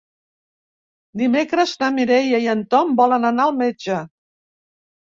Dimecres na Mireia i en Tom volen anar al metge.